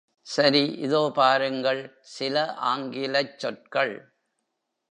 சரி, இதோ பாருங்கள், சில ஆங்கிலச் சொற்கள்!!